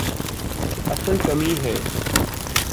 اصل کمی ہے۔